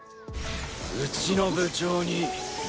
うちの部長に何か？